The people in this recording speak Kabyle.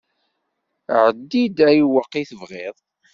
Ɛeddi-d ayweq i tebɣiḍ.